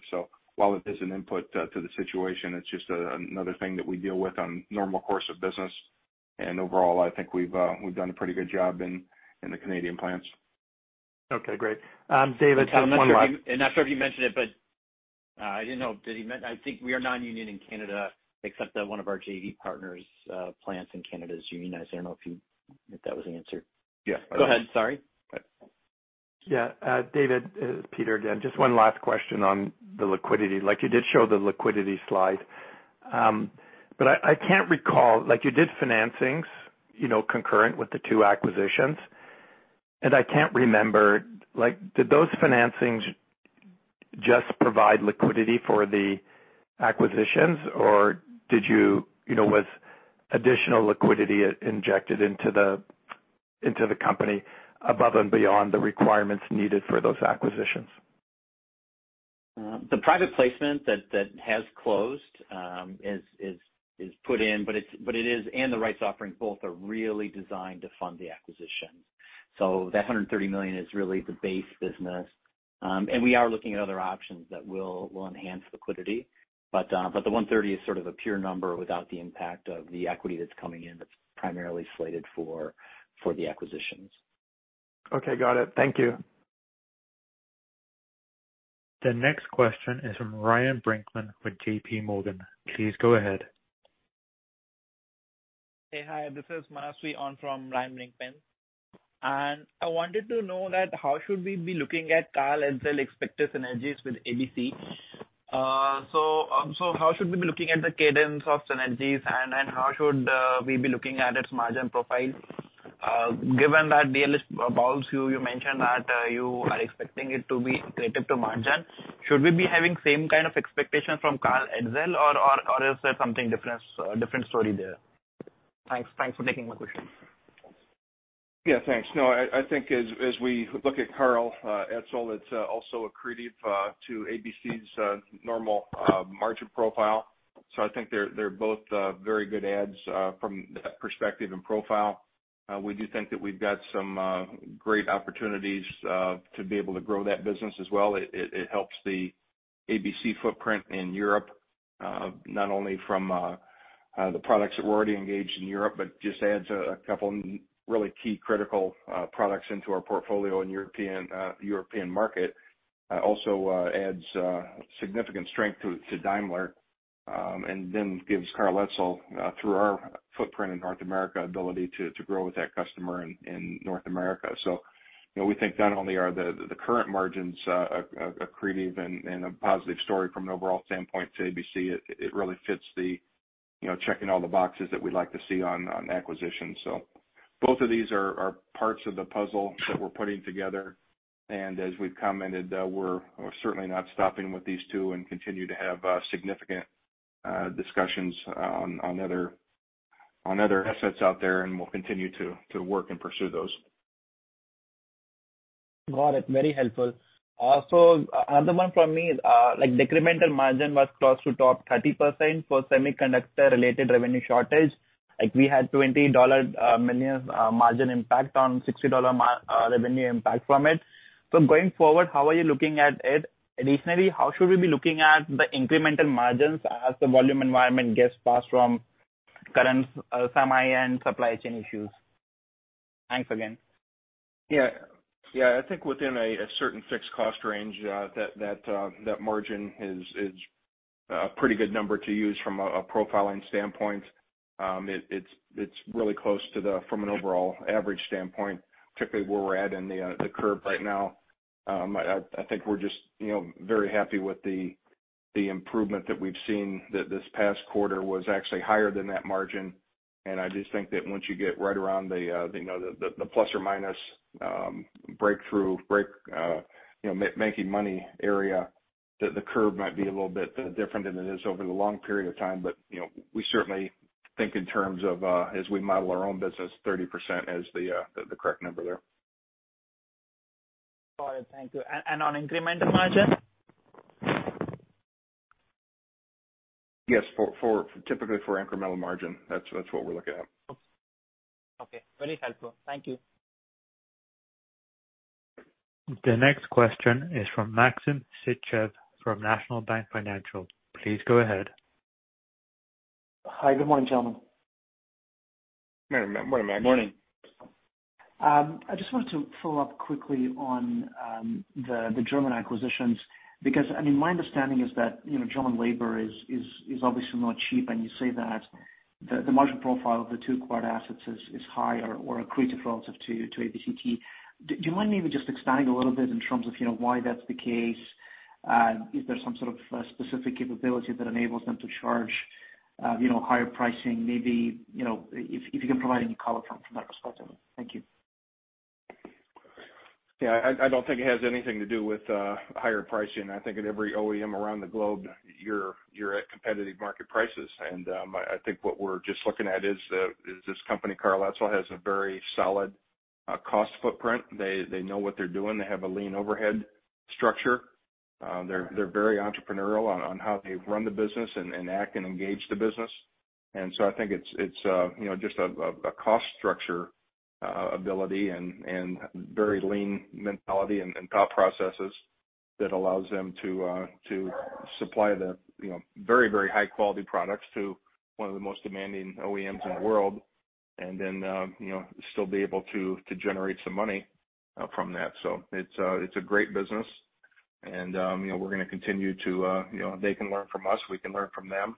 While it is an input to the situation, it's just another thing that we deal with in the normal course of business. Overall, I think we've done a pretty good job in the Canadian plants. Okay, great. David, just one last- I'm not sure if you mentioned it, but I didn't know. I think we are non-union in Canada, except that one of our JV partners' plants in Canada is unionized. I don't know if that was the answer. Yes. Go ahead. Sorry. Okay. Yeah. David, Peter again, just one last question on the liquidity. Like, you did show the liquidity slide. I can't recall, like you did financings, you know, concurrent with the two acquisitions, and I can't remember, like did those financings just provide liquidity for the acquisitions or you know, was additional liquidity injected into the company above and beyond the requirements needed for those acquisitions? The private placement that has closed is put in, but it is, and the rights offerings both are really designed to fund the acquisition. $130 million is really the base business. We are looking at other options that will enhance liquidity. The $130 is sort of a pure number without the impact of the equity that's coming in that's primarily slated for the acquisitions. Okay. Got it. Thank you. The next question is from Ryan Brinkman with J.P. Morgan. Please go ahead. Hey. Hi. This is Manaswi on behalf of Ryan Brinkman. I wanted to know that how should we be looking at Karl Etzel expected synergies with ABC? How should we be looking at the cadence of synergies and how should we be looking at its margin profile? Given that DLH's valves, you mentioned that you are expecting it to be accretive to margin. Should we be having same kind of expectations from Karl Etzel or is there something different story there? Thanks for taking my questions. Yeah, thanks. No, I think as we look at Karl Etzel, it's also accretive to ABC's normal margin profile. I think they're both very good adds from that perspective and profile. We do think that we've got some great opportunities to be able to grow that business as well. It helps the ABC footprint in Europe, not only from the products that we're already engaged in Europe, but just adds a couple of really key critical products into our portfolio in European market. Also adds significant strength to Daimler and then gives Karl Etzel through our footprint in North America ability to grow with that customer in North America. You know, we think not only are the current margins accretive and a positive story from an overall standpoint to ABC. It really fits the, you know, checking all the boxes that we'd like to see on acquisitions. Both of these are parts of the puzzle that we're putting together. As we've commented, we're certainly not stopping with these two and continue to have significant discussions on other assets out there, and we'll continue to work and pursue those. Got it. Very helpful. Also, another one from me. Like decremental margin was close to top 30% for semiconductor related revenue shortage. Like we had $20 million margin impact on $60 million revenue impact from it. Going forward, how are you looking at it? Additionally, how should we be looking at the incremental margins as the volume environment gets passed from current semi and supply chain issues? Thanks again. Yeah. Yeah. I think within a certain fixed cost range that margin is a pretty good number to use from a profiling standpoint. It's really close, from an overall average standpoint, typically where we're at in the curve right now. I think we're just, you know, very happy with the improvement that we've seen that this past quarter was actually higher than that margin. I just think that once you get right around the, you know, the plus or minus break-even making money area, that the curve might be a little bit different than it is over the long period of time. You know, we certainly think in terms of, as we model our own business, 30% is the correct number there. All right. Thank you. On incremental margin? Yes. For typically for incremental margin, that's what we're looking at. Okay. Very helpful. Thank you. The next question is from Maxim Sytchev from National Bank Financial. Please go ahead. Hi. Good morning, gentlemen. Morning, Maxim. Morning. I just wanted to follow up quickly on the German acquisitions, because, I mean, my understanding is that, you know, German labor is obviously not cheap, and you say that the margin profile of the two acquired assets is higher or accretive relative to ABCT. Do you mind maybe just expanding a little bit in terms of, you know, why that's the case? Is there some sort of specific capability that enables them to charge, you know, higher pricing, maybe, you know, if you can provide any color from that perspective. Thank you. Yeah. I don't think it has anything to do with higher pricing. I think at every OEM around the globe, you're at competitive market prices. I think what we're just looking at is this company, Karl Etzel, has a very solid cost footprint. They know what they're doing. They have a lean overhead structure. They're very entrepreneurial on how they run the business and act and engage the business. I think it's you know, just a cost structure ability and very lean mentality and thought processes that allows them to supply you know, very high quality products to one of the most demanding OEMs in the world, and then you know, still be able to generate some money from that. It's a great business and, you know, we're gonna continue to, you know, they can learn from us, we can learn from them,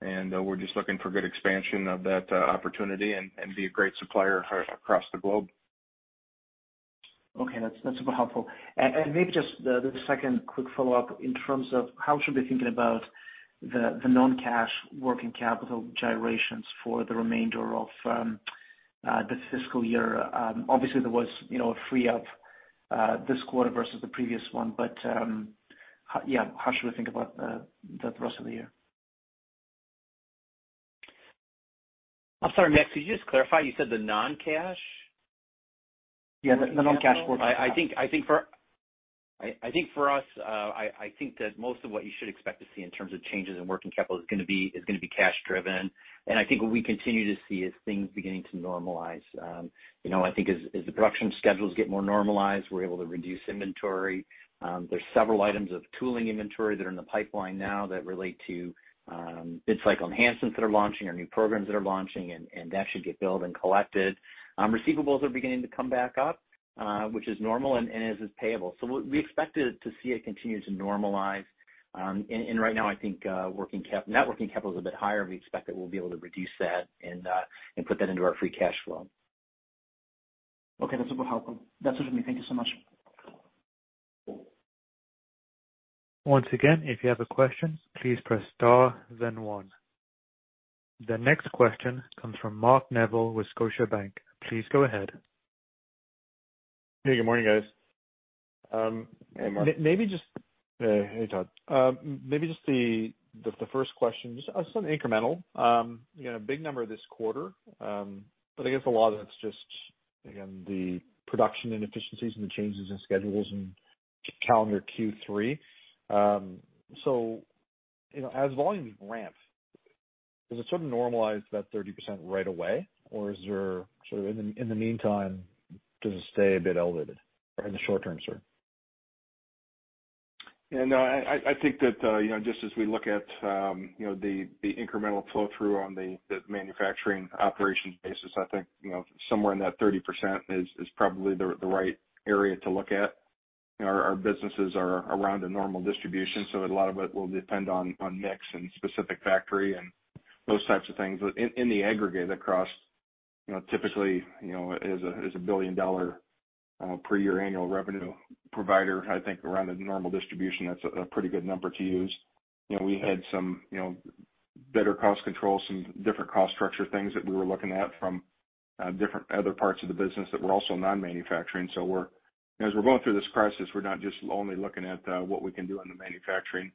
and we're just looking for good expansion of that opportunity and be a great supplier across the globe. Okay, that's super helpful. Maybe just the second quick follow-up in terms of how should we be thinking about the non-cash working capital gyrations for the remainder of this fiscal year? Obviously, there was, you know, a free up this quarter versus the previous one. Yeah, how should we think about the rest of the year? I'm sorry, Max, could you just clarify? You said the non-cash? Yeah, the non-cash working capital. I think for us, I think that most of what you should expect to see in terms of changes in working capital is gonna be cash driven. I think what we continue to see is things beginning to normalize. You know, I think as the production schedules get more normalized, we're able to reduce inventory. There's several items of tooling inventory that are in the pipeline now that relate to bits like enhancements that are launching or new programs that are launching, and that should get billed and collected. Receivables are beginning to come back up, which is normal and payables. We expect to see it continue to normalize. Right now, I think net working capital is a bit higher. We expect that we'll be able to reduce that and put that into our free cash flow. Okay, that's super helpful. That's it for me. Thank you so much. Once again, if you have a question, please press star then one. The next question comes from Mark Neville with Scotiabank. Please go ahead. Hey, good morning, guys. Hey, Mark. Hey, Todd. Maybe just the first question, just something incremental. You had a big number this quarter, but I guess a lot of that's just, again, the production inefficiencies and the changes in schedules in calendar Q3. You know, as volumes ramp, does it sort of normalize that 30% right away, or is there sort of in the meantime, does it stay a bit elevated in the short term, sir? You know, I think that, you know, just as we look at, you know, the incremental flow-through on the manufacturing operations basis, I think, you know, somewhere in that 30% is probably the right area to look at. Our businesses are around a normal distribution, so a lot of it will depend on mix and specific factory and those types of things. In the aggregate across, you know, typically, you know, is a billion-dollar per year annual revenue provider. I think around a normal distribution, that's a pretty good number to use. You know, we had some, you know, better cost control, some different cost structure things that we were looking at from different other parts of the business that were also non-manufacturing. As we're going through this crisis, we're not just only looking at what we can do in the manufacturing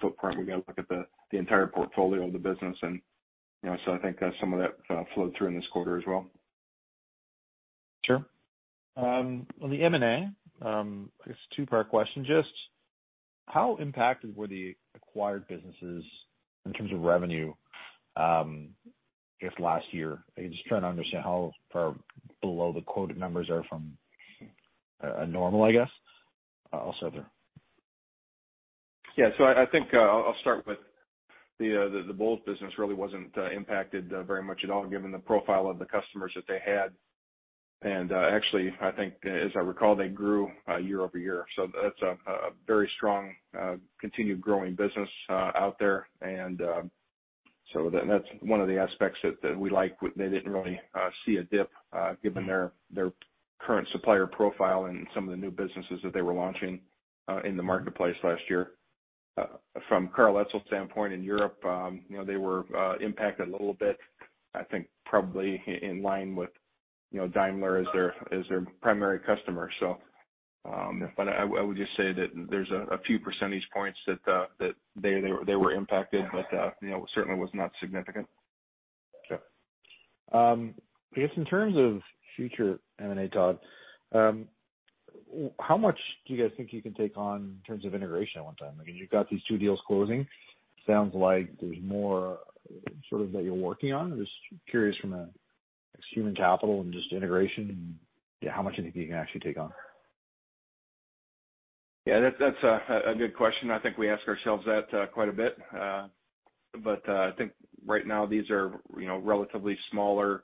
footprint. We gotta look at the entire portfolio of the business. You know, I think some of that flowed through in this quarter as well. Sure. On the M&A, I guess two-part question. Just how impacted were the acquired businesses in terms of revenue, I guess last year? I'm just trying to understand how far below the quoted numbers are from normal, I guess. Also there. Yeah. I think I'll start with the dlhBOWLES business really wasn't impacted very much at all given the profile of the customers that they had. Actually, I think as I recall, they grew year-over-year. That's a very strong continued growing business out there. That's one of the aspects that we like. They didn't really see a dip given their current supplier profile and some of the new businesses that they were launching in the marketplace last year. From Karl Etzel's standpoint in Europe, you know, they were impacted a little bit. I think probably in line with, you know, Daimler as their primary customer. I would just say that there's a few percentage points that they were impacted, but you know, certainly was not significant. Sure. I guess in terms of future M&A, Todd, how much do you guys think you can take on in terms of integration at one time? I mean, you've got these two deals closing. Sounds like there's more sort of that you're working on. I'm just curious from a human capital and just integration and, yeah, how much you think you can actually take on? Yeah, that's a good question. I think we ask ourselves that quite a bit. I think right now these are, you know, relatively smaller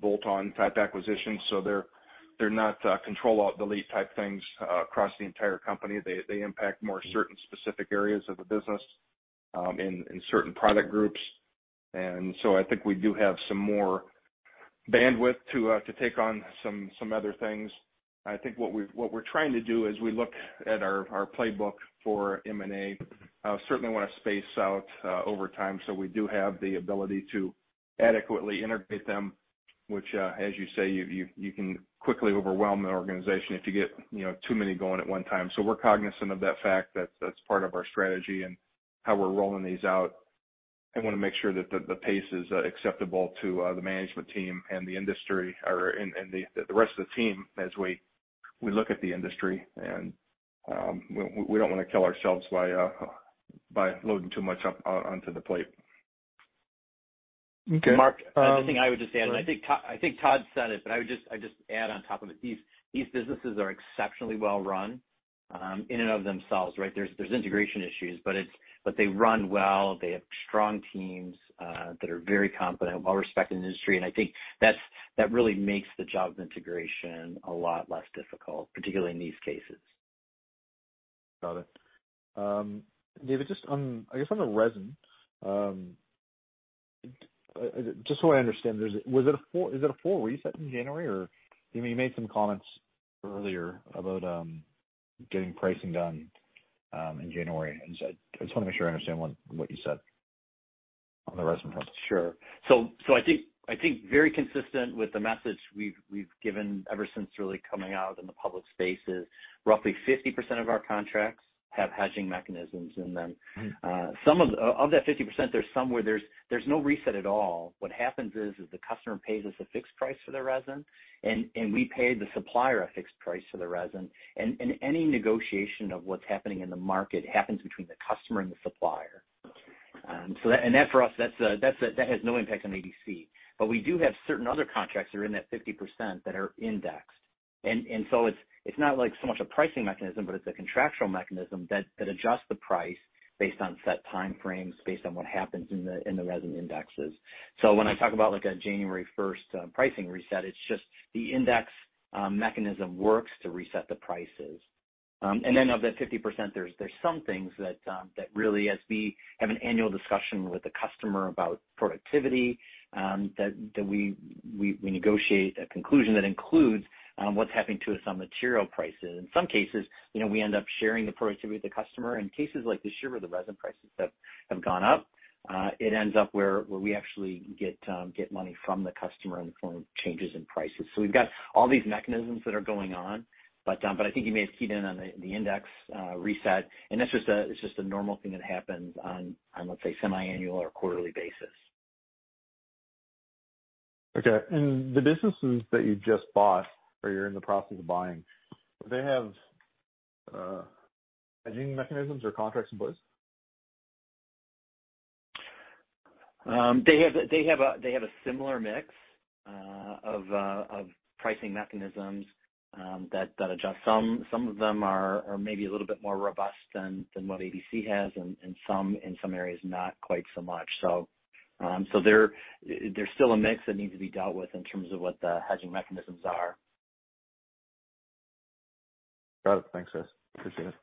bolt-on type acquisitions, so they're not control-alt-delete type things across the entire company. They impact more certain specific areas of the business in certain product groups. I think we do have some more bandwidth to take on some other things. I think what we're trying to do as we look at our playbook for M&A, certainly wanna space out over time, so we do have the ability to adequately integrate them, which, as you say, you can quickly overwhelm an organization if you get, you know, too many going at one time. We're cognizant of that fact. That's part of our strategy and how we're rolling these out and wanna make sure that the pace is acceptable to the management team and the industry or and the rest of the team as we look at the industry. We don't wanna kill ourselves by loading too much up onto the plate. Okay. Mark- The thing I would just add, and I think Todd said it, but I would just add on top of it, these businesses are exceptionally well run in and of themselves, right? There's integration issues, but they run well. They have strong teams that are very competent, well-respected in the industry, and I think that really makes the job of integration a lot less difficult, particularly in these cases. Got it. David, just on, I guess, on the resin, just so I understand, is it a four reset in January? Or you know, you made some comments earlier about getting pricing done in January. I just wanna make sure I understand what you said on the resin front. Sure. I think very consistent with the message we've given ever since really coming out in the public space is roughly 50% of our contracts have hedging mechanisms in them. Mm-hmm. Some of that 50%, there are some where there is no reset at all. What happens is the customer pays us a fixed price for their resin, and we pay the supplier a fixed price for the resin. Any negotiation of what is happening in the market happens between the customer and the supplier. That for us has no impact on ABC. But we do have certain other contracts that are in that 50% that are indexed. So it is not like so much a pricing mechanism, but it is a contractual mechanism that adjusts the price based on set timeframes, based on what happens in the resin indexes. When I talk about, like, a January first pricing reset, it's just the index mechanism works to reset the prices. And then of that 50%, there's some things that really, as we have an annual discussion with the customer about productivity, that we negotiate a conclusion that includes what's happening to some material prices. In some cases, you know, we end up sharing the productivity with the customer. In cases like this year where the resin prices have gone up, it ends up where we actually get money from the customer from changes in prices. We've got all these mechanisms that are going on. I think you may have keyed in on the index reset, and that's just a normal thing that happens on, let's say, semi-annual or quarterly basis. Okay. The businesses that you just bought or you're in the process of buying, do they have hedging mechanisms or contracts in place? They have a similar mix of pricing mechanisms that adjust. Some of them are maybe a little bit more robust than what ABC has, and some in some areas, not quite so much. There’s still a mix that needs to be dealt with in terms of what the hedging mechanisms are. Got it. Thanks, guys. Appreciate it.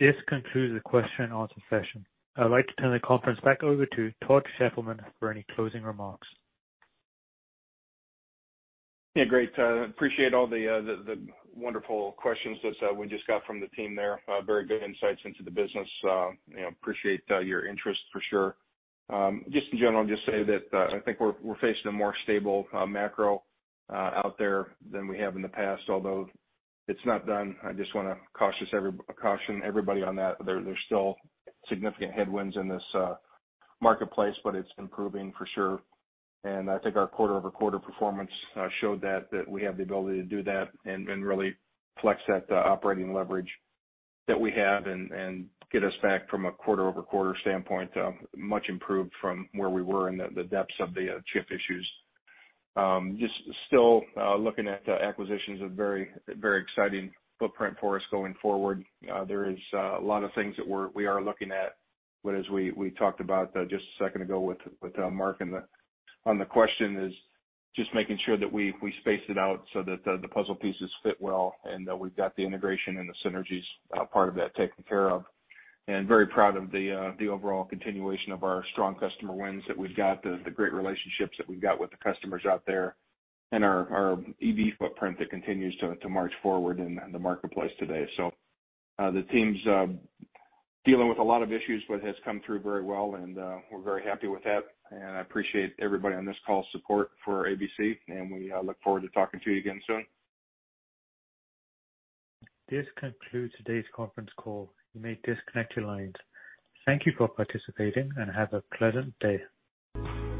This concludes the question and answer session. I'd like to turn the conference back over to Todd Sheppelman for any closing remarks. Yeah, great. Appreciate all the wonderful questions that we just got from the team there. Very good insights into the business. You know, appreciate your interest for sure. Just in general, just say that I think we're facing a more stable macro out there than we have in the past, although it's not done. I just wanna caution everybody on that. There's still significant headwinds in this marketplace, but it's improving for sure. I think our quarter-over-quarter performance showed that we have the ability to do that and really flex that operating leverage that we have and get us back from a quarter-over-quarter standpoint, much improved from where we were in the depths of the chip issues. Just still looking at acquisitions of very exciting footprint for us going forward. There is a lot of things that we are looking at. But as we talked about just a second ago with Mark on the question is just making sure that we space it out so that the puzzle pieces fit well, and that we've got the integration and the synergies part of that taken care of. Very proud of the overall continuation of our strong customer wins that we've got, the great relationships that we've got with the customers out there, and our EV footprint that continues to march forward in the marketplace today. The team's dealing with a lot of issues but has come through very well, and we're very happy with that. I appreciate everybody's support for ABC on this call, and we look forward to talking to you again soon. This concludes today's conference call. You may disconnect your lines. Thank you for participating, and have a pleasant day.